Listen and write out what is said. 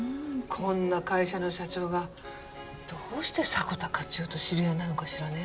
こんな会社の社長がどうして迫田勝代と知り合いなのかしらね？